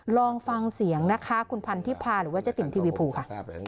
ลองฟังเสียงนะคะคุณพันธิพาหรือว่าเจ๊ติ๋มทีวีภูค่ะ